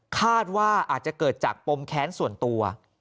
คาดว่าอาจจะเกิดจากปมแค้นส่วนตัว